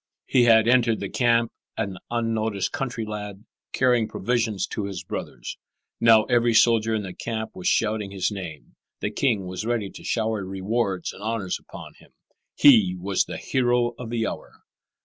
He had entered the camp an unnoticed country lad, carrying provisions to his brothers. Now every soldier in the camp was shouting his name; the king was ready to shower rewards and honors upon him. He was the hero of the hour.